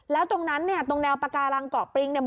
แล้วตรงนั้นเนี่ยตรงแนวปาการังเกาะปริงเนี่ย